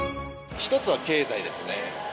一つは経済ですね。